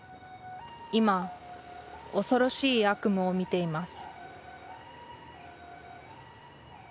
今恐ろしい「悪夢」を見ています